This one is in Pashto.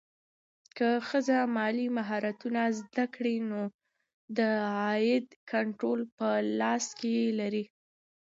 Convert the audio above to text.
که ښځه مالي مهارتونه زده کړي، نو د عاید کنټرول په لاس کې لري.